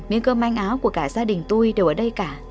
miếng cơm manh áo của cả gia đình tôi đều ở đây cả